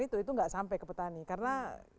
itu tidak sampai ke petani karena